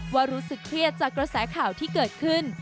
ว่ารู้สึกเครียดจากกระแสข่าวที่เกิดขึ้น